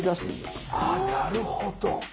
あなるほど。